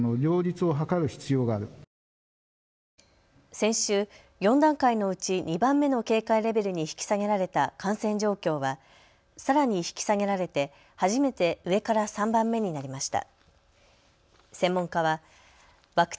先週、４段階のうち２番目の警戒レベルに引き下げられた感染状況はさらに引き下げられて初めて上から３番目になりました。